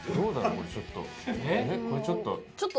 これちょっと。